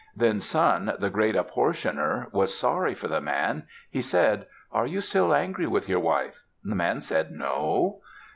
Then Sun, the great Apportioner, was sorry for the man. He said, "Are you still angry with your wife?" The man said, "No."